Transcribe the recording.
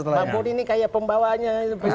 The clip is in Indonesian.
bang boni ini kayak pembawanya